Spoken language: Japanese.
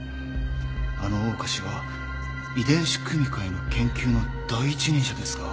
あの大岡氏は遺伝子組み換えの研究の第一人者ですが。